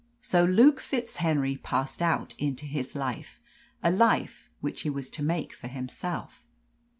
So Luke FitzHenry passed out into his life a life which he was to make for himself.